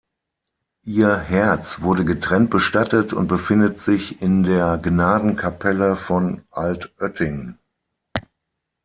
Ihr Herz wurde getrennt bestattet und befindet sich in der Gnadenkapelle von Altötting.